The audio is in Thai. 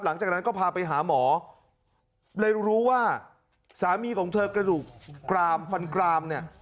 หลังจากนั้นก็พาไปหาหมอเลยรู้ว่าสามีของเธอกระดูกกรามฟันกรามเนี่ย